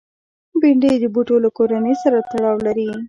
بېنډۍ د بوټو له کورنۍ سره تړاو لري